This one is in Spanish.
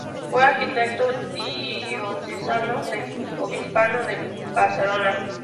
Fue arquitecto diocesano del obispado de Barcelona.